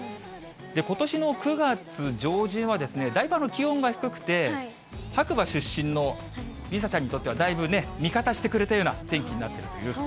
ことしの９月上旬は、だいぶ気温が低くて、白馬出身の梨紗ちゃんにとってはだいぶね、味方してくれたような天気になっていると。